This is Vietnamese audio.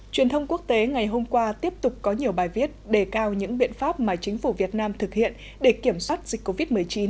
truyền thông quốc tế ngày hôm qua tiếp tục có nhiều bài viết đề cao những biện pháp mà chính phủ việt nam thực hiện để kiểm soát dịch covid một mươi chín